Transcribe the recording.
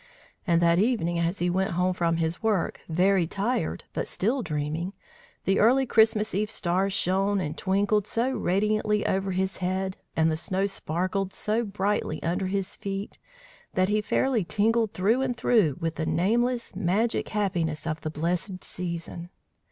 And that evening as he went home from his work, very tired, but still dreaming, the early Christmas eve stars shone and twinkled so radiantly over his head and the snow sparkled so brightly under his feet, that he fairly tingled through and through with the nameless, magic happiness of the blessed season!